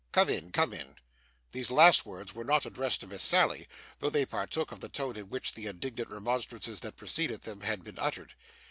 Come in, come in!' These last words were not addressed to Miss Sally, though they partook of the tone in which the indignant remonstrances that preceded them had been uttered.